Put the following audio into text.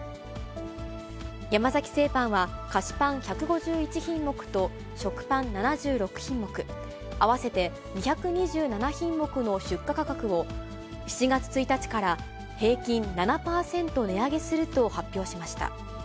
山崎製パンは、菓子パン１５１品目と食パン７６品目、合わせて２２７品目の出荷価格を、７月１日から平均７％値上げすると発表しました。